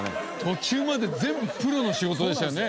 途中まで全部プロの仕事でしたよね。